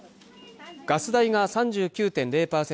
ガス代が３９．０％